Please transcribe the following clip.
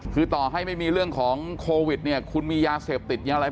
คือต่อให้ไม่มีเรื่องของโควิดเนี่ยคุณมียาเสพติดอย่างไร